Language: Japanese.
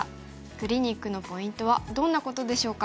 クリニックのポイントはどんなことでしょうか。